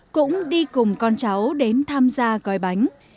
cũng đi cùng con cháu đến tham gia gói bánh